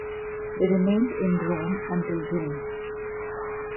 They remained in Rome until June.